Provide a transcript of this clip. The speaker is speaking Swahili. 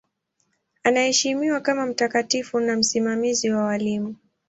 Anaheshimiwa kama mtakatifu na msimamizi wa walimu.